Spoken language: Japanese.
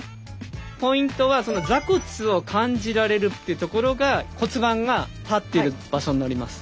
ポイントは座骨を感じられるっていうところが骨盤が立っている場所になります。